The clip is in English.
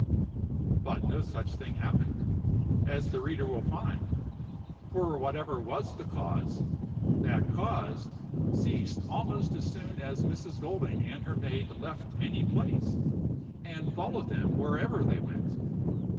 But no such thing happened, as the reader will find; for whatever was the cause, that cause ceased almost as soon as Mrs. Golding and her maid left any place, and followed them wherever they went.